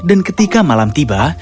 dan ketika malam tiba